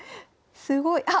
すごいあっ！